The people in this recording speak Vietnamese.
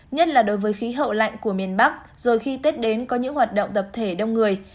nhất là đối với khí hậu lạnh của miền bắc rồi khi tết đến có những hoạt động tập thể đông người